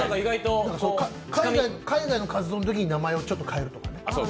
海外の活動のときに名前をちょっと変えるとかね。